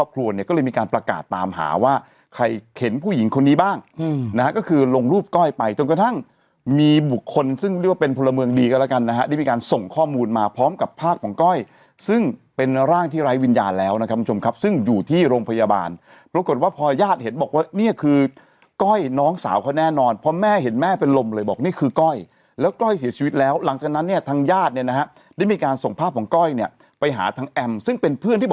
พร้อมกับภาพของก้อยซึ่งเป็นร่างที่ไร้วิญญาณแล้วนะครับคุณผู้ชมครับซึ่งอยู่ที่โรงพยาบาลปรากฏว่าพอญาติเห็นบอกว่านี่คือก้อยน้องสาวเขาแน่นอนเพราะแม่เห็นแม่เป็นลมเลยบอกนี่คือก้อยแล้วก้อยเสียชีวิตแล้วหลังจากนั้นเนี่ยทางญาติเนี่ยนะฮะได้มีการส่งภาพของก้อยเนี่ยไปหาทางแอมซึ่งเป็น